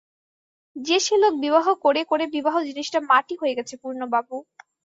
যে-সে লোক বিবাহ করে করে বিবাহ জিনিসটা মাটি হয়ে গেছে পূর্ণবাবু!